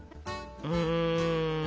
うん。